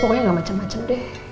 pokoknya gak macem macem deh